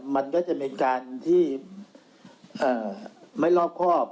มันก็จะเป็นการที่ไม่รอบครอบ